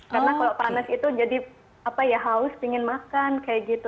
karena kalau panas itu jadi apa ya haus ingin makan kayak gitu